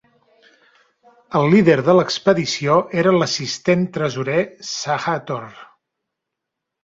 El líder de l'expedició era l'"assistent tresorer" Sahathor.